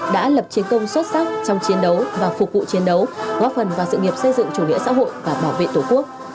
đã lập chiến công xuất sắc trong chiến đấu và phục vụ chiến đấu góp phần vào sự nghiệp xây dựng chủ nghĩa xã hội và bảo vệ tổ quốc